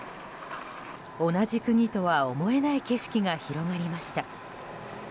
同じ国とは思えない景色が広がりました。